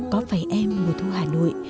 có phải em mùa thu hà nội